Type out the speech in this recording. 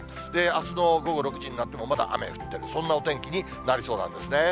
あすの午後６時になってもまだ雨が降ってる、そんなお天気になりそうなんですね。